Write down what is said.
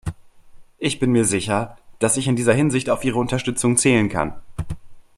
Ich bin mir sicher, dass ich in dieser Hinsicht auf Ihre Unterstützung zählen kann.